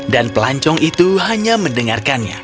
dan pelancong itu hanya mendengarkannya